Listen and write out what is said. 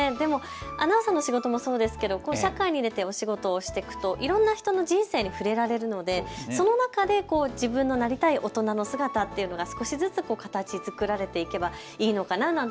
アナウンサーの仕事もそうですけど社会に出てお仕事をしていくといろんな人の人生に触れられるので、その中で自分のなりたい大人の姿っていうのが少しずつ形づくられていければいいのかななんて